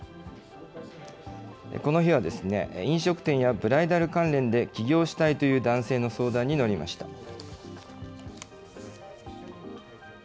この日は、飲食店やブライダル関連で起業したいという男性の相談に乗りました。